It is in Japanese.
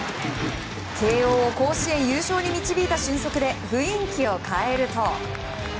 慶応を甲子園優勝に導いた俊足で雰囲気を変えると。